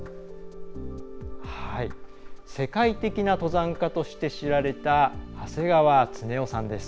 世界的な登山家として知られた長谷川恒男さんです。